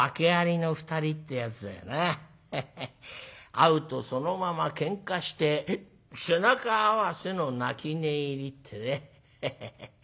『会うとそのまま喧嘩して背中合わせの泣き寝入り』ってね。ハハハ」。